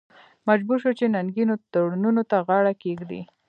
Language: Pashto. مجبور شو چې ننګینو تړونونو ته غاړه کېږدي.